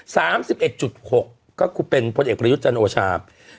สามสิบเอ็ดจุดหกก็คือเป็นพลเอกประยุทธ์จันโอชา